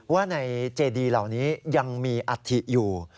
ว่าในเจดีเหล่านี้ยังมีอัฐิอยู่